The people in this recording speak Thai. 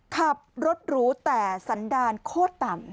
ขับรถหรูแต่สันดาลโคตรต่ำ